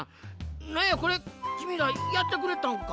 なんやこれきみらやってくれたんか？